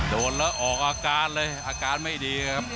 โดนแล้วออกอาการเลยอาการไม่ดีครับ